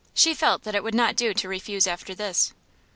She felt that it would not do to refuse after this.